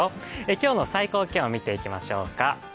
今日の最高気温見ていきましょうか。